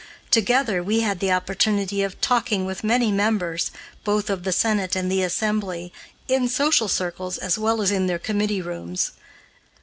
Together we had the opportunity of talking with many members, both of the Senate and the Assembly, in social circles, as well as in their committee rooms.